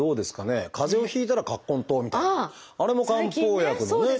かぜをひいたら葛根湯みたいなあれも漢方薬のね一つですから。